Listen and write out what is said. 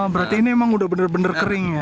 berarti ini memang sudah benar benar kering ya